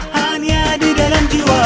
hanya di dalam jiwa